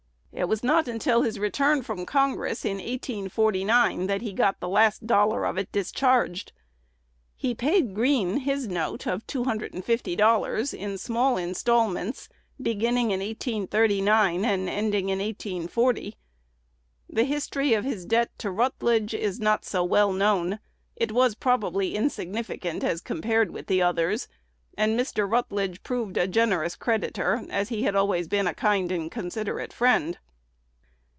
It was not until his return from Congress, in 1849, that he got the last dollar of it discharged. He paid Green his note of two hundred and fifty dollars, in small instalments, beginning in 1839, and ending in 1840. The history of his debt to Rutledge is not so well known. It was probably insignificant as compared with the others; and Mr. Rutledge proved a generous creditor, as he had always been a kind and considerate friend.